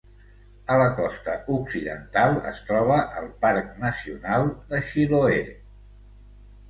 A la costa occidental es troba el Parc Nacional de Chiloé.